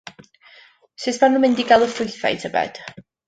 Sut maen nhw'n mynd i gael y ffrwythau, tybed?